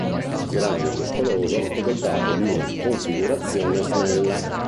Grande e muscoloso è dotato di una configurazione snella.